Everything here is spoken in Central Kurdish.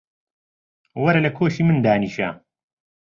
وەرە لە کۆشی من دانیشە.